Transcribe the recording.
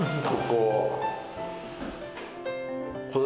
ここ。